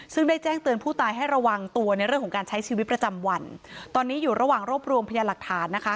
ซึ่งได้แจ้งเตือนผู้ตายให้ระวังตัวในเรื่องของการใช้ชีวิตประจำวันตอนนี้อยู่ระหว่างรวบรวมพยานหลักฐานนะคะ